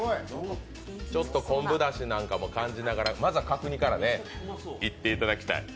ちょっと昆布だしなんかも感じながらまずは角煮からいっていただきたい。